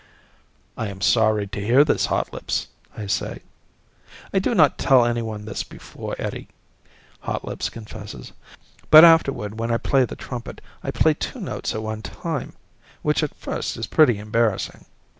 "I am sorry to hear this, Hotlips," I say. "I do not tell anyone this before, Eddie," Hotlips confesses. "But afterward when I play the trumpet, I play two notes at one time, which at first is pretty embarrassing."